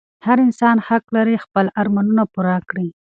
هر انسان حق لري چې خپل ارمانونه پوره کړي.